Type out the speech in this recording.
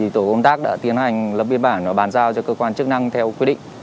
tổ công tác đã tiến hành lập biên bản và bàn giao cho cơ quan chức năng theo quy định